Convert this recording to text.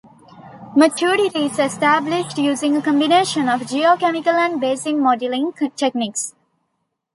Maturity is established using a combination of geochemical and basin modelling techniques.